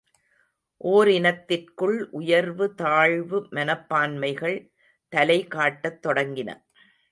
ஓரினத்திற்குள் உயர்வு தாழ்வு மனப்பான்மைகள் தலைகாட்டத் தொடங்கின.